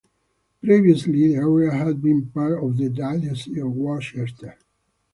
Previously the area had been part of the Diocese of Worcester.